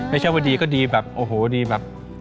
ไม่ใช่ว่าดีก็ดีแบบโอ้โหดีแบบ